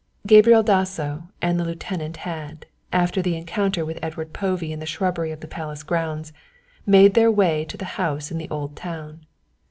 Gabriel Dasso and the lieutenant had, after the encounter with Edward Povey in the shrubbery of the palace grounds, made their way to the house in the old town.